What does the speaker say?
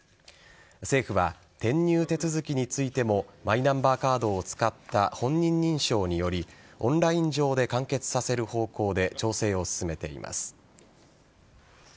政府は転入手続きについてもマイナンバーカードを使った本人認証によりオンライン上で完結する方向で調整を進めています。